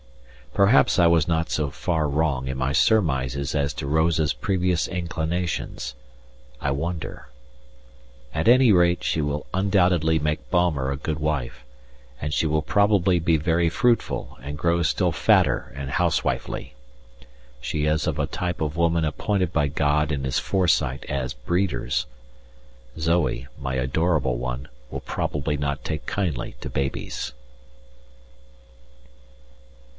Perhaps I was not so far wrong in my surmises as to Rosa's previous inclinations I wonder; at any rate she will undoubtedly make Baumer a good wife, and she will probably be very fruitful and grow still fatter and housewifely. She is of a type of woman appointed by God in his foresight as breeders. Zoe, my adorable one, will probably not take kindly to babies.